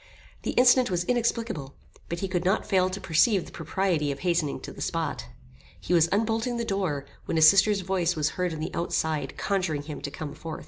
The incident was inexplicable; but he could not fail to perceive the propriety of hastening to the spot. He was unbolting the door, when his sister's voice was heard on the outside conjuring him to come forth.